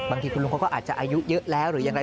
บางทีคุณลุงเขาก็อาจจะอายุเยอะแล้วหรือยังไง